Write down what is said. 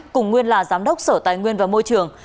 cùng nguyên là giám đốc sở tài nguyên và môi trường